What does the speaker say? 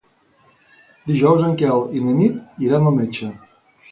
Dijous en Quel i na Nit iran al metge.